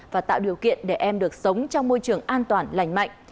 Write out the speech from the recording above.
và tạo điều kiện để em được sống trong môi trường an toàn lành mạnh